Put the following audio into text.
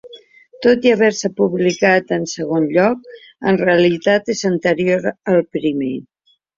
Tot i haver-se publicat en segon lloc, en realitat és anterior al primer.